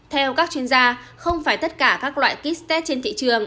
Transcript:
theo các chuyên gia không phải tất cả các loại kit test trên thị trường